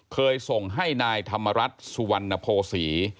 เคยส่งให้นายธรรมรัฐสุวรรณโภษี